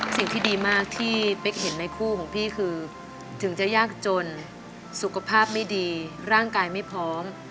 สิ่งที่ดีมากที่เป๊กเห็นในคู่ของพี่คือถึงจะยากจนสุขภาพไม่ดีร่างกายไม่พร้อม